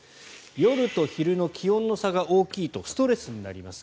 夜と昼の気温の差が大きいとストレスになります。